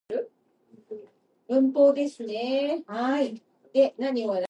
He studied painting and drawing at Paris, and gained considerable reputation as a miniature-painter.